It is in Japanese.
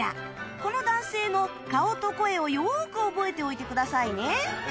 この男性の顔と声をよーく覚えておいてくださいね